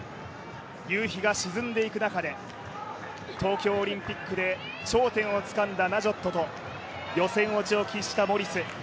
夕日が沈んでいく中で東京オリンピックで頂点をつかんだナジョットと予選落ちを喫したモリス。